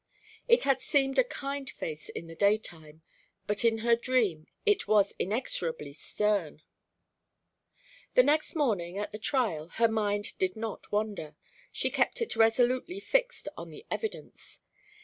It had seemed a kind face in the day time, but in her dream it was inexorably stern. The next morning, at the trial, her mind did not wander; she kept it resolutely fixed on the evidence.